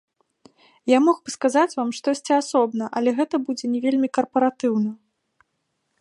Я мог бы сказаць вам штосьці асобна, але гэта будзе не вельмі карпаратыўна.